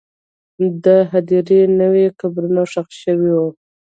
د هدیرې نوې قبرونه ښخ شوي وو.